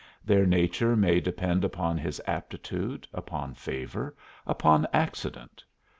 Their nature may depend upon his aptitude, upon favor, upon accident.